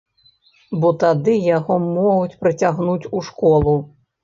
Бо тады яго могуць прыцягнуць у школу.